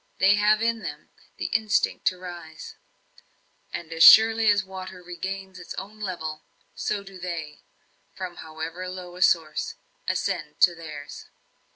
They have in them the instinct to rise; and as surely as water regains its own level, so do they, from however low a source, ascend to theirs.